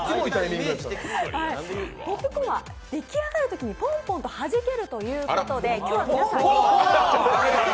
ポップコーンは出来上がるときにポンポンとハジけるということでポン！